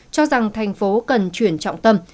cho rằng thành phố cần chuyển trọng tâm